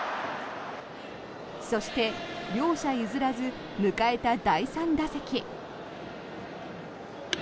そして両者譲らず迎えた第３打席。